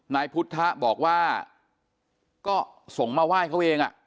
นายพุทธบอกว่าก็สงฆ์มาไหว้เค้าเองอ่ะ